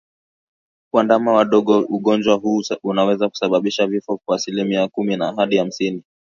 Kwa ndama wadogo ugonjwa huu unaweza kusababisha vifo kwa asilimia kumi hadi hamsini